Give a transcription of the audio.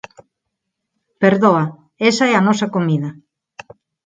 Perdoa, esa é a nosa comida.